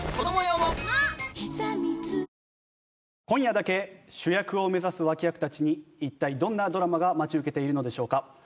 今夜だけ主役を目指す脇役たちに一体どんなドラマが待ち受けているのでしょうか？